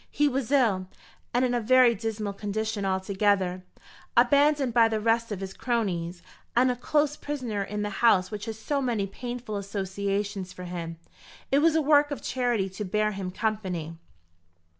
He was ill, and in a very dismal condition altogether, abandoned by the rest of his cronies, and a close prisoner in the house which has so many painful associations for him. It was a work of charity to bear him company."